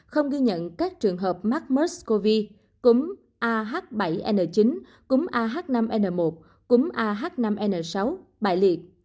không ghi nhận các trường hợp macmurphs covid cúm ah bảy n chín cúm ah năm n một cúm ah năm n sáu bại liệt